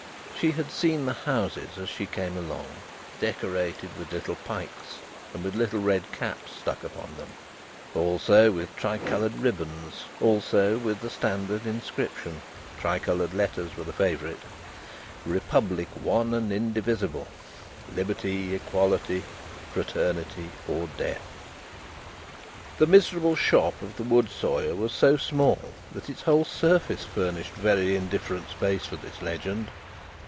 She had seen the houses, as she came along, decorated with little pikes, and with little red caps stuck upon them; also, with tricoloured ribbons; also, with the standard inscription (tricoloured letters were the favourite), Republic One and Indivisible. Liberty, Equality, Fraternity, or Death! The miserable shop of the wood sawyer was so small, that its whole surface furnished very indifferent space for this legend.